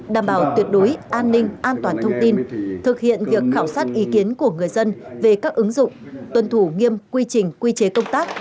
đảm bảo tuyệt đối an ninh an toàn thông tin thực hiện việc khảo sát ý kiến của người dân về các ứng dụng tuân thủ nghiêm quy trình quy chế công tác